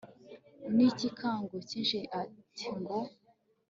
nicyikango cyinshi ati ngo